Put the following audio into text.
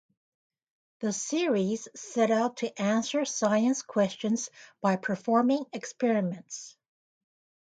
The series set out to answer science questions by performing experiments.